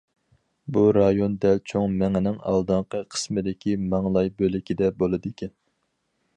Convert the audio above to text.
بۇ رايون دەل چوڭ مېڭىنىڭ ئالدىنقى قىسمىدىكى ماڭلاي بۆلىكىدە بولىدىكەن.